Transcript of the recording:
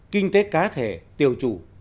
kinh tế cá thể tiều chủ